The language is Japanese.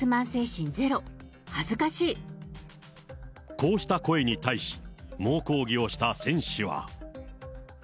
こうした声に対し、猛抗議をした選手は。